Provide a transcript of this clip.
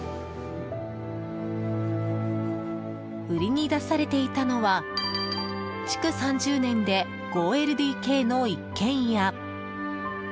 売りに出されていたのは築３０年で５ＬＤＫの一軒家。